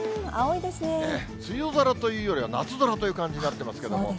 梅雨空というよりは夏空という感じになってますけれども。